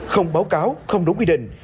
không báo cáo không đúng quy định